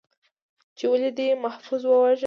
، چې ولې دې محفوظ وواژه؟